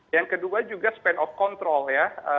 yang kedua juga span of control ya